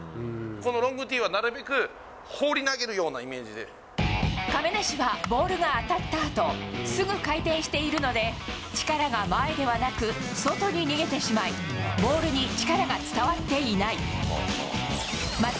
このロングティーはなるべく、亀梨は、ボールが当たったあと、すぐ回転しているので、力が前ではなく、外に逃げてしまい、ボールに力が伝わっていない。